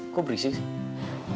kok berisik sih